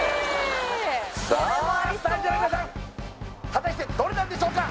さあスタジオのみなさん果たしてどれなんでしょうか？